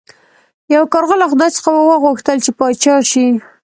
یو کارغه له خدای څخه وغوښتل چې پاچا شي.